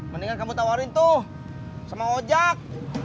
mendingan kamu tawarin tuh sama ojak